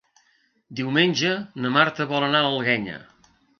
Diumenge na Marta vol anar a l'Alguenya.